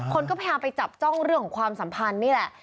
คนก็พยายามไปจับจ้องเรื่องของความสัมพันธ์นี่แหละ